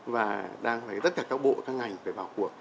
và đang phải tất cả các bộ các ngành phải vào cuộc